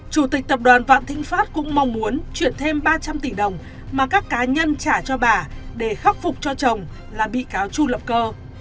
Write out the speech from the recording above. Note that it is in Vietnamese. chủ tịch tập đoàn vạn thịnh pháp cũng mong muốn chuyển thêm ba trăm linh tỷ đồng mà các cá nhân trả cho bà để khắc phục cho chồng là bị cáo chu lập cơ